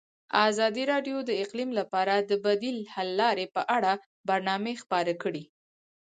ازادي راډیو د اقلیم لپاره د بدیل حل لارې په اړه برنامه خپاره کړې.